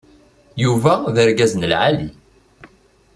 Yuba d argaz n lεali.